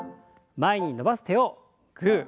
前に伸ばす手をグー。